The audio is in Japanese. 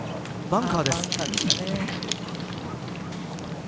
バンカーです。